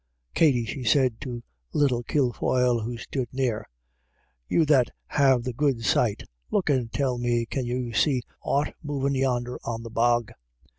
" Katty," she said to a little Kilfoyle who stood near, " you that have the good sight, look and tell me can you see aught movin' yonder on the bog."